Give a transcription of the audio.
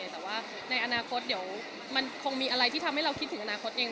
แต่ว่าในอนาคตเดี๋ยวมันคงมีอะไรที่ทำให้เราคิดถึงอนาคตเอง